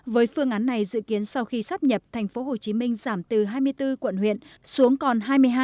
với phương án này dự kiến sau khi sắp nhập thành phố hồ chí minh giảm từ hai mươi bốn quận huyện xuống còn hai mươi hai